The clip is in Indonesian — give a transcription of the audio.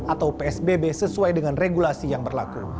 atau psbb sesuai dengan regulasi yang berlaku